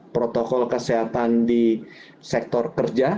protokol kesehatan di sektor kerja